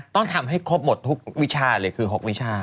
ต้องทำให้ครบหมดทุกวิชาเลยคือ๖วิชา